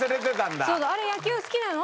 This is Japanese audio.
「あれっ野球好きなの？